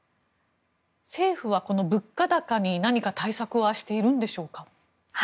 政府は物価高に何か対策はしているんでしょうか。